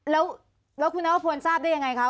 แล้วแล้วคุณน้องอภวนทราบได้ยังไงคะ